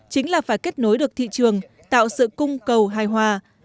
chính là phải kết nối được thị trường tạo sự cung cầu hài hòa